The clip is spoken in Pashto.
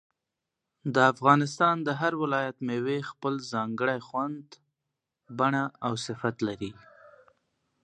د افغانستان د هر ولایت مېوې خپل ځانګړی خوند، بڼه او صفت لري.